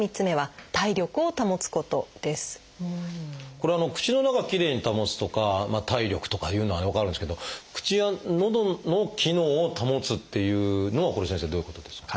これ「口の中きれいに保つ」とか「体力」とかいうのは分かるんですけど「口やのどの機能を保つ」っていうのはこれ先生どういうことですか？